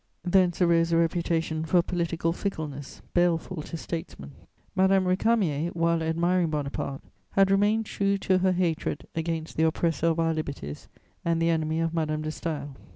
Thence arose a reputation for political fickleness baleful to statesmen. Madame Récamier, while admiring Bonaparte, had remained true to her hatred against the oppressor of our liberties and the enemy of Madame de Staël.